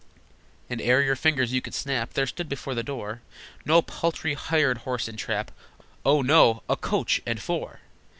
And, ere your fingers you could snap, There stood before the door No paltry hired horse and trap, Oh, no! a coach and four!